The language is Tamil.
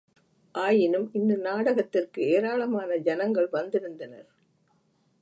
ஆயினும் இந்நாடகத்திற்கு ஏராளமான ஜனங்கள் வந்திருந்தனர்.